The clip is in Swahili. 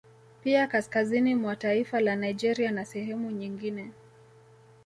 Pia kaskazini mwa taifa la Nigeria na sehemu nyigine